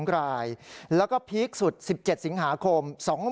๑๐๘๒รายแล้วก็พีคสุด๑๗สิงหาคม